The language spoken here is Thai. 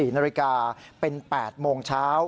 ๔นาฬิกาเป็น๘โมงเช้า